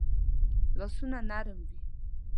لاسونه نرم وي